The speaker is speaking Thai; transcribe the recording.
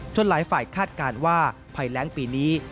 หลายฝ่ายคาดการณ์ว่าภัยแรงปีนี้